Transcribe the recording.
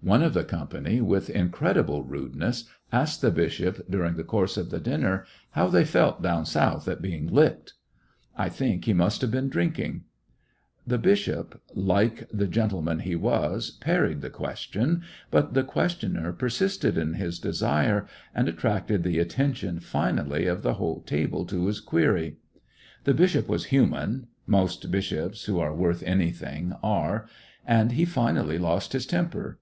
One of the company, with in credible rudeness, asked the bishop, during the course of the dinner, how they felt down South at being "licked." I think he must have been drinking. The bishop, like the gentleman he was, parried the question 5 but the questioner persisted in his desire, and at tracted the attention, Anally, of the whole 151 HiecoCtections of a table to his query. The bishop was hnman,— most bishops who are worth anything are, — and he finally lost his temper.